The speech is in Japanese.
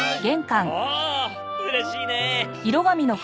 おおっうれしいね。